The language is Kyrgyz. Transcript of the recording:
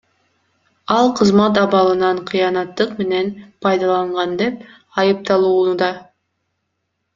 Ал кызмат абалынан кыянаттык менен пайдаланган деп айыпталууда.